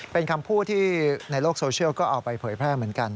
เป็นคำพูดที่ในโลกโซเชียลก็เอาไปเผยแพร่เหมือนกัน